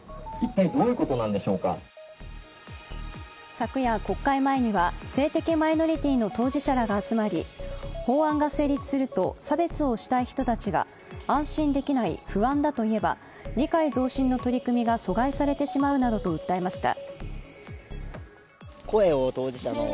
昨夜、国会前には性的マイノリティーの当事者らが集まり法案が成立すると差別をしたい人たちが安心できない、不安だと言えば理解増進の取り組みが阻害されてしまうなどと訴えました。